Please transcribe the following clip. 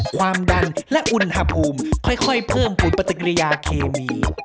ความดันและอุณหภูมิค่อยเพิ่มคุณปฏิกิริยาเคมี